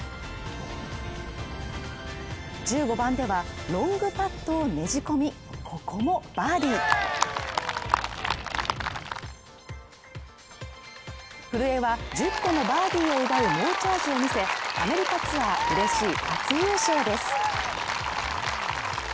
１５番ではロングパットをねじ込みここもバーディー古江は１０個のバーディーを奪う猛チャージをみせアメリカツアー初優勝です